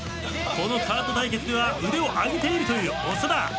このカート対決では腕を上げているという長田。